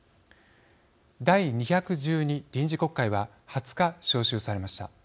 第２１２臨時国会は２０日、招集されました。